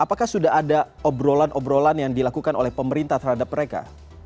apakah sudah ada obrolan obrolan yang dilakukan oleh pemerintah terhadap mereka